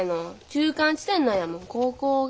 中間地点なんやもここが。